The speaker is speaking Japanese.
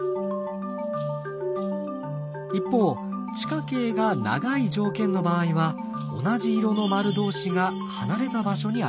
一方地下茎が長い条件の場合は同じ色の丸同士が離れた場所にあります。